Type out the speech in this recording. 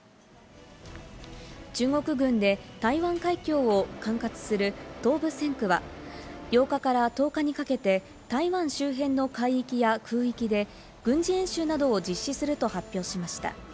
中国軍で台湾海峡を管轄する東部戦区は８日から１０日にかけて台湾周辺の海域や空域で軍事演習などを実施すると発表しました。